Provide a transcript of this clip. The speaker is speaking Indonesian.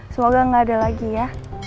semoga gak ada lagi ya